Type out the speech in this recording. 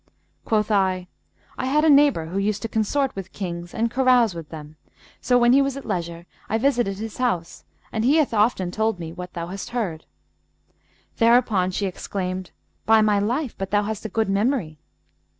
Quoth I, 'I had a neighbour who used to consort with Kings and carouse with them; so, when he was at leisure, I visited his house and he hath often told me what thou hast heard.' Thereupon she exclaimed 'By my life, but thou hast a good memory!'